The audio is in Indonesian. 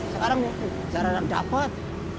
sekarang jarang dapat